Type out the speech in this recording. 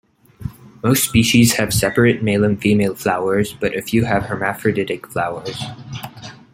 Most species have separate male and female flowers, but a few have hermaphroditic flowers.